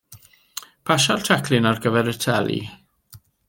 Pasia'r teclyn ar gyfer y teli.